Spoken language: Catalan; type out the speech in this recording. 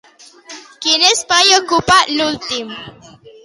Quin espai ocupa l'últim?